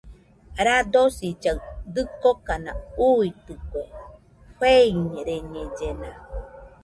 Radosillaɨ dɨkokana uitɨkue, feireñellena.